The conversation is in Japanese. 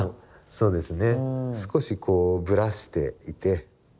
そうですね。